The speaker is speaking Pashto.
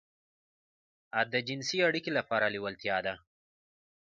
د جنسي اړيکې لپاره لېوالتيا ده.